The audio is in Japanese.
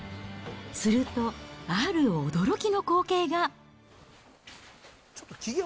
すると、ある驚きの光景が。